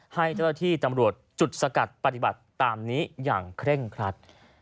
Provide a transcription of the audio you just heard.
ให้เจ้าหน้าที่ตำรวจจุดสกัดปฏิบัติตามนี้อย่างเคร่งครัด